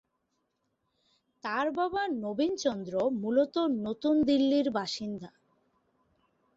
তাঁর বাবা নবীন চন্দ্র মূলত নতুন দিল্লির বাসিন্দা।